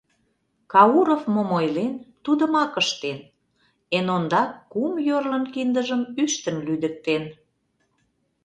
Кауров мом ойлен — тудымак ыштен: эн ондак кум йорлын киндыжым ӱштын лӱдыктен.